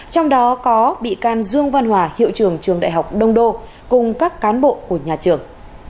trong đó có bị can dương văn hòa hiệu trưởng trường đại học đông đô cùng các cán bộ của nhà trường